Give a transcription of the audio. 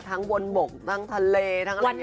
ทั้งบนบกทั้งทะเลทั้งอะไรอย่างนี้